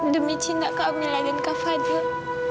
demi cinta kamila dan kak fadil